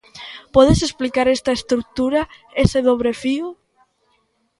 Podes explicar esta estrutura, ese dobre fío?